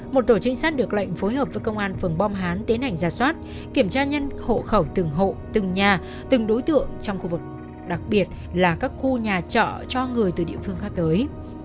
một tổ trinh sát được lệnh phối hợp với công an phường bom hán tiến hành giả soát kiểm tra nhân hộ khẩu từng hộ từng nhà từng đối tượng trong khu vực đặc biệt là các khu nhà trọ cho người từ địa phương khác tới